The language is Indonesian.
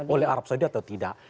oleh arab saudi atau tidak